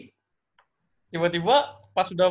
udah balik ke cirebon lagi gue udah mau fokus belajar lagi